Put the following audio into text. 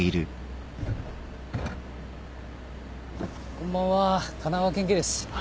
こんばんは神奈川県警です。